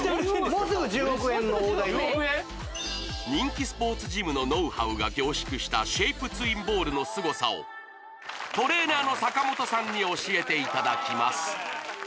もうすぐ１０億円の大台に人気スポーツジムのノウハウが凝縮したシェイプツインボールのすごさをトレーナーの坂本さんに教えていただきます